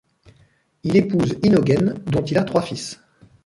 Il épouse Innogen dont il a trois fils.